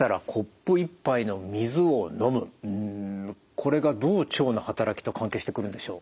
これがどう腸の働きと関係してくるんでしょう？